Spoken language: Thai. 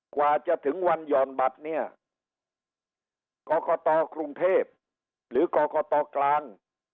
กว่าจะถึงวันหย่อนบัตรเนี่ยกรกตกรุงเทพหรือกรกตกลาง